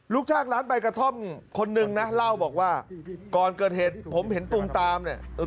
ลูกจ้างร้านใบกระท่อมคนนึงนะเล่าบอกว่าก่อนเกิดเหตุผมเห็นตูมตามเนี่ย